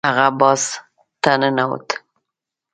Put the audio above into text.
هغه بار ته ننوت.